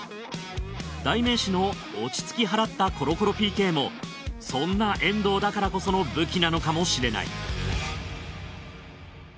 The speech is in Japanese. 代名詞の落ち着き払ったコロコロＰＫもそんな遠藤だからこその武器なのかもしれない